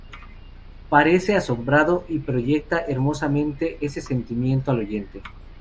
Parece asombrado, y proyecta hermosamente ese sentimiento al oyente.